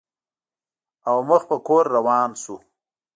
او مخ په کور روان شو.